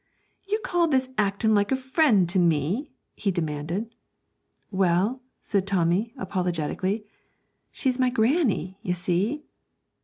'Do you call this actin' like a friend to me?' he demanded. 'Well,' said Tommy, apologetically, 'she's my granny, you see.'